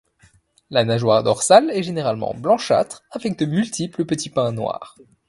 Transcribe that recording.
La nageoire dorsale est généralement blanchâtre avec de multiples petits points noirs.